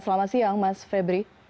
selamat siang mas febri